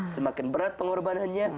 semakin berat pengorbanannya